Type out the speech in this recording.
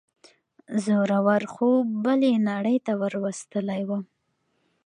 زوره ور خوب بلې نړۍ ته وروستلی وم.